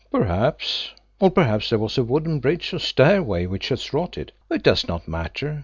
"Perhaps, or perhaps there was a wooden bridge or stairway which has rotted. It does not matter.